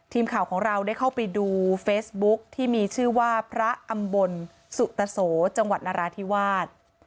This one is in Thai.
ทีมข่าวของเราได้เข้าไปดูเฟซบุ๊กที่มีชื่อว่าพระอำบลสุตโสจังหวัดนราธิวาส